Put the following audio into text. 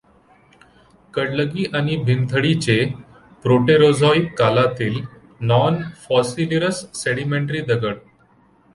कलडगी आणि भीमथडीचे प्रोटेरोझॉइक कालातील नॉन फॉसिलिेरस सेडिमेंटरी दगड